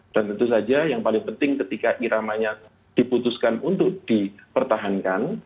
tentu saja yang paling penting ketika iramanya diputuskan untuk dipertahankan